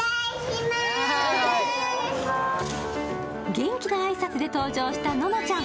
元気な挨拶で登場したののちゃん。